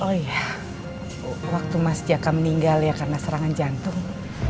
oh iya waktu mas jaka meninggal ya karena serangan jantung